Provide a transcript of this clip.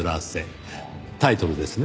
タイトルですね？